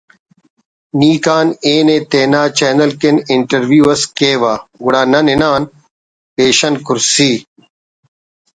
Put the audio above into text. نی کان ای نے تینا چینل کن انٹریو اس کیوہ گڑا نن ہنان پیشن کرسی